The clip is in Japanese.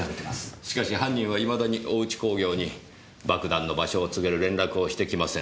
しかし犯人はいまだに大内工業に爆弾の場所を告げる連絡をしてきません。